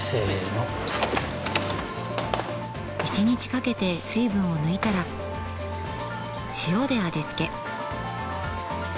１日かけて水分を抜いたら塩で味付け。